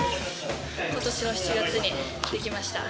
今年の７月にできました。